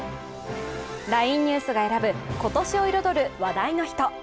ＬＩＮＥＮＥＷＳが選ぶ今年を彩る話題の人。